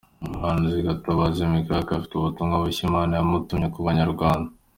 Umuhanuzi Gatabazi Mechack afite ubutumwa bushya Imana yamutumye ku Banyarwanda.